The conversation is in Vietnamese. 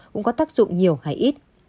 cũng có tác dụng nhiều hay ít